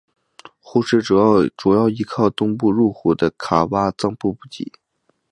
湖水主要依靠东部入湖的卡挖臧布补给。